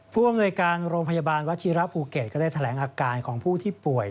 ผู้อำนวยการโรงพยาบาลวัชิระภูเก็ตก็ได้แถลงอาการของผู้ที่ป่วย